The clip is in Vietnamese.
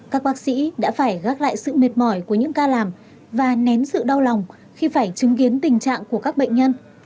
các bác sĩ đã phải gác lại sự mệt mỏi của những ca làm và nén sự đau lòng khi phải chứng kiến tình trạng của các bệnh nhân